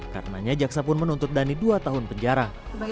karenanya jaksa pun menuntut dhani dua tahun penjara